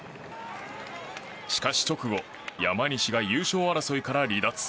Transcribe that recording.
しかし、直後山西が優勝争いから離脱。